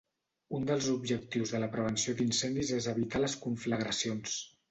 Un dels objectius de la prevenció d"incendis és evitar les conflagracions.